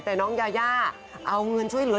แต่น้องยาย่าเอาเงินช่วยเหลือ